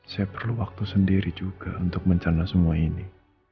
saya perlu waktu sendiri juga untuk mencana semua ini